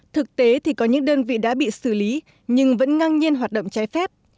thực tế thì có những đơn vị đã bị xử lý nhưng vẫn ngang nhiên hoạt động trái phép